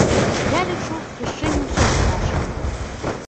Я лічу, яшчэ не ўсё страчана.